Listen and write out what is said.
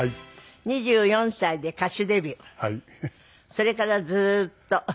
それからずーっと。